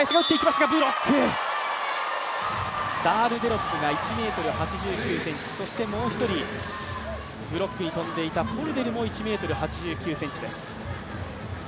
ダールデロップが１ｍ８９ｃｍ、そしてもう一人、ブロックに跳んでいたポルデルも１ｍ８９ｃｍです。